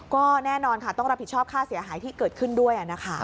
ก็แน่นอนค่ะต้องรับผิดชอบค่าเสียหายที่เกิดขึ้นด้วยนะคะ